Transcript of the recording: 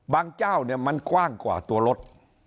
เจ้าเนี่ยมันกว้างกว่าตัวรถ